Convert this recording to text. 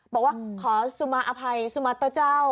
บอกว่าขอสุมาอภัยสุมาเตอร์เจ้า